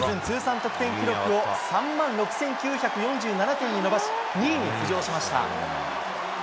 通算得点記録を３万６９４７点に伸ばし２位に浮上しました。